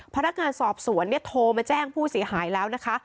พนักงานสอบสวนโทรมาแจ้งผู้เสียหายแล้วนะคะ